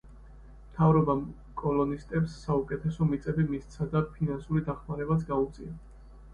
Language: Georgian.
მთავრობამ კოლონისტებს საუკეთესო მიწები მისცა და ფინანსური დახმარებაც გაუწია.